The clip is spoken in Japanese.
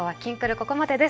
ここまでです。